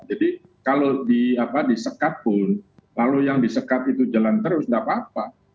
jadi kalau disekat pun lalu yang disekat itu jalan terus nggak apa apa